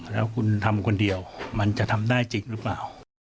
แล้วคุณทำคนเดียวมันจะทำได้จริงหรือเปล่า